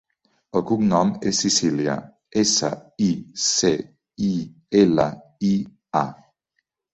El cognom és Sicilia: essa, i, ce, i, ela, i, a.